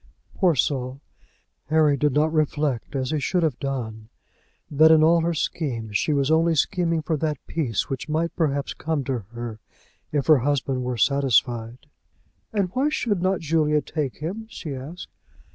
Poor soul! Harry did not reflect as he should have done, that in all her schemes she was only scheming for that peace which might perhaps come to her if her husband were satisfied. "And why should not Julia take him?" she asked.